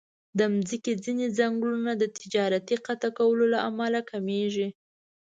د مځکې ځینې ځنګلونه د تجارتي قطع کولو له امله کمېږي.